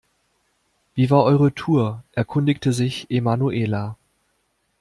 Wie war eure Tour?, erkundigte sich Emanuela.